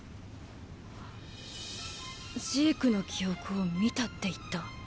ジークの記憶を見たって言った？